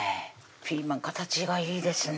ピーマン形がいいですね